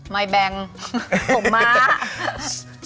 ไมค์แบงค์ผมม้า